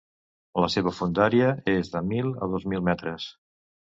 La seva fondària és de mil a dos mil metres.